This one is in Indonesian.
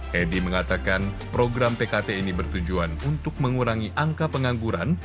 hedi mengatakan program pkt ini bertujuan untuk mengurangi angka pengangguran